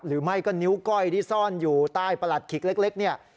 หรือไม่ก็นิ้วก้อยที่ซ่อนอยู่ใต้ประหลัดขิกเล็กเนี่ย